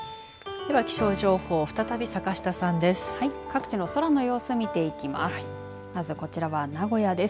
では気象情報再び坂下さんです。